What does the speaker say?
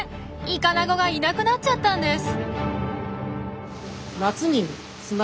イカナゴがいなくなっちゃったんです！